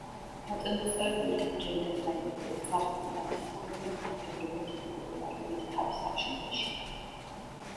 გაწონასწორებული, დამჯერი და საიმედო ეს ძაღლები დამსახურებულად სარგებლობენ დიდი პოპულარობით თავის სამშობლოში.